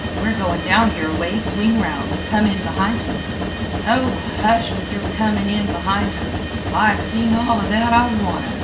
We're goin' down here aways, swing aroun', an' come in behint 'em." "Oh, hush, with your comin' in behint 'em. I've seen all 'a that I wanta.